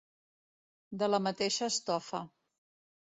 De la mateixa estofa.